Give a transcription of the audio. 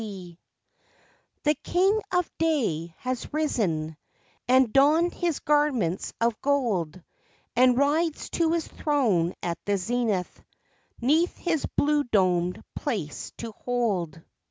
NOON The "King of Day" has risen, And donned his garments of gold, And rides to his throne at the zenith, 'Neath his blue domed place to hold.